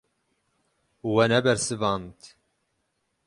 We nebersivand.